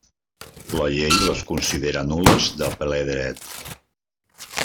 La llei les considera nul·les de ple dret.